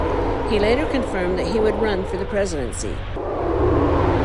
He later confirmed that he would run for the presidency.